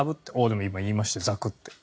でも今いいましたよザクッて。